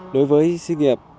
đối với sinh nghiệp